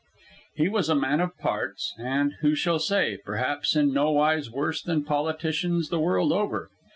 He was a man of parts, and who shall say? perhaps in no wise worse than politicians the world over.